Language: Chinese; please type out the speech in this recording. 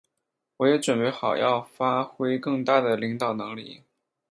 我也准备好要发挥更大的领导能力。